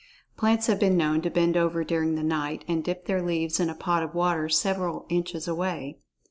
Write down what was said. Plants have been known to bend over during the night and dip their leaves in a pot of water several inches away.